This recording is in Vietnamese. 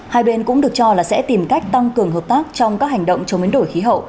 hai bên cũng được cho là sẽ tìm cách tăng cường hợp tác trong các hành động chống biến đổi khí hậu